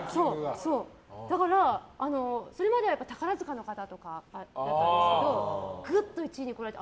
だから、それまでは宝塚の方とかだったんですけどぐっと１位に来られて。